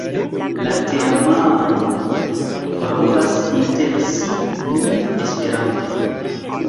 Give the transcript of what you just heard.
La teamanoj parolas inter si nur Esperante.